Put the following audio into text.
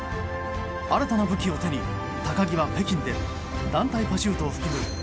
新たな武器を手に高木は北京で団体パシュートを含む